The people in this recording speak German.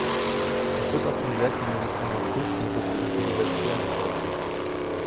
Es wird auch von Jazz-Musikern als Hilfsmittel zur Improvisation bevorzugt.